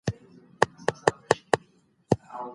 پر ما ړانده هم شاهدۍ ادا کوينه